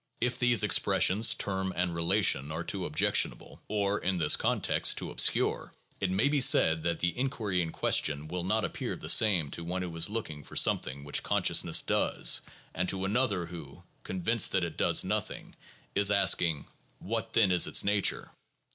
If these expressions ' term ' and ' relation ' are too objectionable, or, in this context, too obscure, it may be said that the inquiry in question will not appear the same to one who is looking for something which consciousness does and to another who, convinced that it does nothing, is asking, "What then is its nature?"